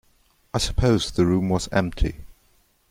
I supposed the room was empty.